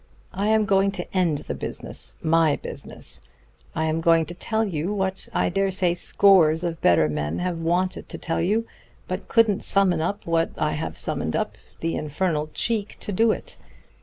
I am going to end the business my business. I am going to tell you what I dare say scores of better men have wanted to tell you, but couldn't summon up what I have summoned up the infernal cheek to do it.